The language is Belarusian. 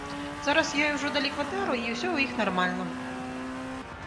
Зараз ёй ужо далі кватэру і ўсё ў іх нармальна.